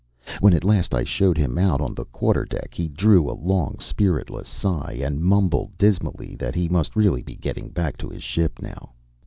When at last I showed him out on the quarter deck he drew a long, spiritless sigh, and mumbled dismally that he must really be going back to his ship now.